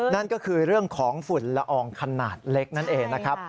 นั่นก็คือเรื่องของฝุ่นละอองขนาดเล็กนั่นเองนะครับ